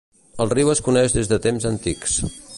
El riu es coneix des de temps antics.